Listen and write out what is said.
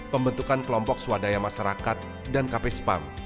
pembentukan kelompok swadaya masyarakat dan kp spam